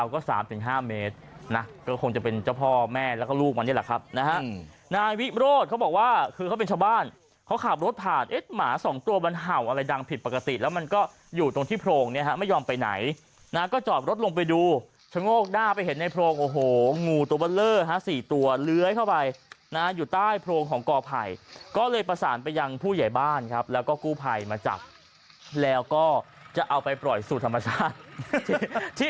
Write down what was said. ก็เป็นชาวบ้านเขาขับรถผ่านเอ๊ะหมาสองตัวมันเห่าอะไรดังผิดปกติแล้วมันก็อยู่ตรงที่โพรงเนี้ยฮะไม่ยอมไปไหนนะก็จอบรถลงไปดูชะโงกด้าไปเห็นในโพรงโอ้โหงูตัวบ้าเล่อฮะสี่ตัวเลื้อยเข้าไปนะอยู่ใต้โพรงของก่อไผ่ก็เลยประสานไปยังผู้ใหญ่บ้านครับแล้วก็กู้ไพ่มาจับแล้วก็จะเอาไปปล่อยสู่ธรรมชาติ